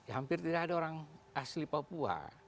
hampir tidak ada orang asli papua